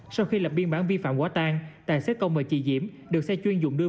sau khi lập biên bản vi phạm quá tan tài xế công và chị diễm được xe chuyên dụng đưa